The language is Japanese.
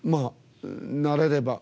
なれれば。